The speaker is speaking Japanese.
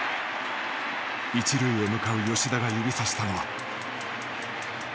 一塁へ向かう吉田が指さしたのは。